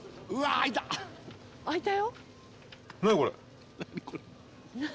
「開いたよ」